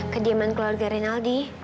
kediaman keluarga rinaldi